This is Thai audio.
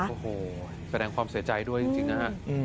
โอ้โหแสดงความเสียใจด้วยจริงนะฮะ